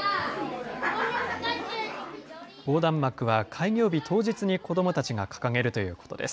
横断幕は開業日当日に子どもたちが掲げるということです。